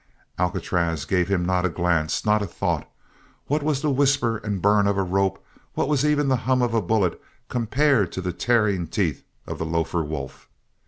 Alcatraz gave him not a glance, not a thought. What was the whisper and burn of a rope, what was even the hum of a bullet compared with the tearing teeth of the lofer wolf?